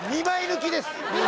２枚抜きですよ！